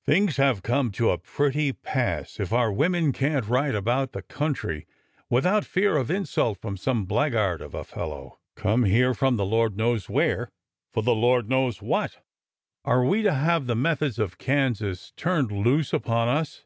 " Things have come to a pretty pass if our women can't ride about the country without fear of insult from some blackguard of a fellow, come here from the Lord knows where, for the Lord knows what 1 Are we to have the methods of Kansas turned loose upon us?